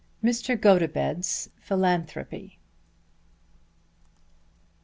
MR. GOTOBED'S PHILANTHROPY.